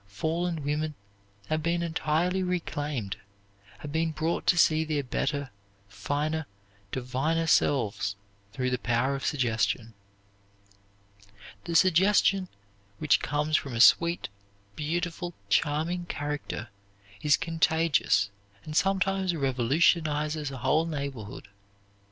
Fallen women have been entirely reclaimed, have been brought to see their better, finer, diviner selves through the power of suggestion. The suggestion which comes from a sweet, beautiful, charming character is contagious and sometimes revolutionizes a whole neighborhood.